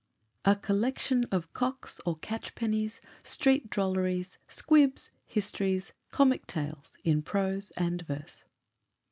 A COLLECTION OF "COCKS," OR "CATCHPENNIES," STREET DROLLERIES, SQUIBS, HISTORIES, COMIC TALES IN PROSE AND VERSE.